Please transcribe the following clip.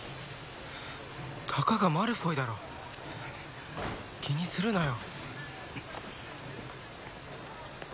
たかがマルフォイだろ気にするなよ